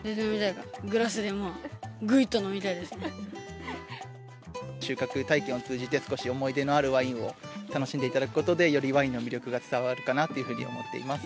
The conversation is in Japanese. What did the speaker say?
グラスでもう、ぐいっと飲み収穫体験を通じて、少し思い出のあるワインを楽しんでいただくことで、よりワインの魅力が伝わるかなというふうに思っています。